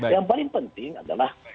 yang paling penting adalah